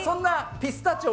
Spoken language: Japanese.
ピスタチオ。